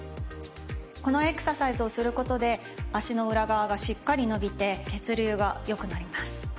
このエクササイズをすることで脚の裏側がしっかり伸びて血流が良くなります。